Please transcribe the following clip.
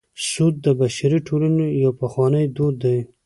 سود د بشري ټولنې یو پخوانی دود دی